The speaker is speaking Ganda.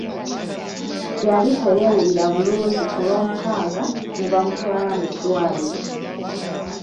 Yali teyeewulira bulungi ku Lwomukaaga ne bamutwala mu ddwaliro.